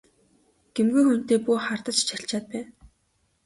Гэмгүй хүнтэй бүү хардаж чалчаад бай!